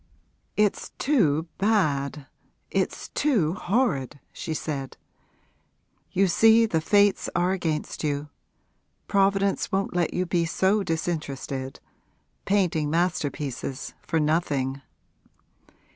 'It's too bad, it's too horrid!' she said. 'You see the fates are against you. Providence won't let you be so disinterested painting masterpieces for nothing.'